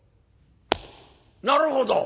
「なるほど！